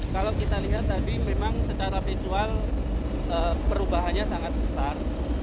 kalau kita lihat tadi memang secara visual perubahannya sangat besar